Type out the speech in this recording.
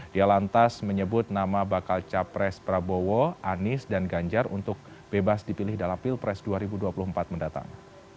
dia lantas menyebut nama bakal capres prabowo anies dan ganjar untuk bebas dipilih dalam pilpres dua ribu dua puluh empat mendatang